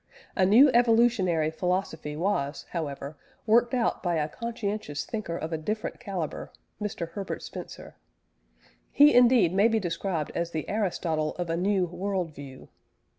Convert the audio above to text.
A new evolutionary philosophy was, however, worked out by a conscientious thinker of a different calibre Mr. Herbert Spencer. He indeed may be described as the Aristotle of a new world view.